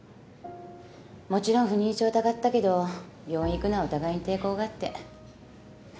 もちろん不妊症疑ったけど病院行くのはお互いに抵抗があって。